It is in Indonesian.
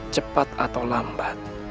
cepat atau lambat